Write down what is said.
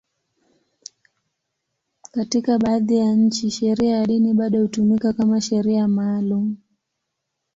Katika baadhi ya nchi, sheria ya dini bado hutumika kama sheria maalum.